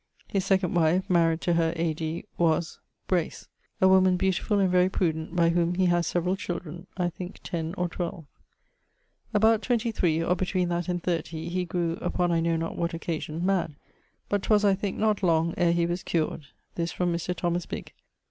His second wife (maried to her A.D. ...) was ... Brace; a woman beautifull and very prudent, by whom he has severall children (I thinke 10 or 12). About 23, or between that and thirty, he grew (upon I know not what occasion) mad; but 'twas (I thinke) not long ere he was cured: this from Mr. Thomas Bigg.